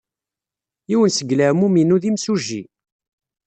Yiwen seg leɛmum-inu d imsujji.